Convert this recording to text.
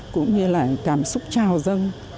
cũng như là cảm xúc trao dân